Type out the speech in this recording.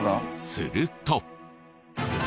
すると。